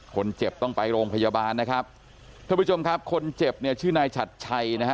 คนเจ็บต้องไปโรงพยาบาลนะครับท่านผู้ชมครับคนเจ็บเนี่ยชื่อนายฉัดชัยนะฮะ